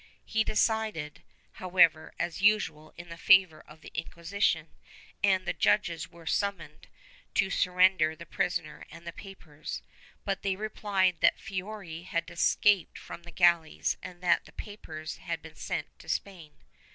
He decided, however, as usual, in favor of the Inquisition, and the judges were summoned to surrender the prisoner and the papers, but they replied that Fiori had escaped from the galleys and that the papers had been sent to Spain.